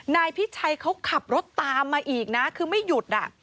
นายพิชัยเขาขับรถตามมาอีกนะคือไม่หยุด